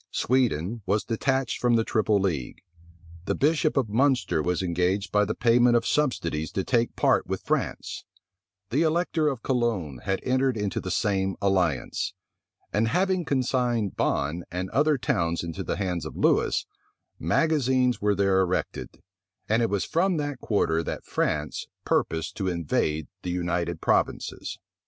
Sweden was detached from the triple league; the bishop of Munster was engaged by the payment of subsidies to take part with France; the elector of Cologne had entered into the same alliance; and having consigned Bonne and other towns into the hands of Lewis, magazines were there erected; and it was from that quarter that France purposed to invade the United Provinces.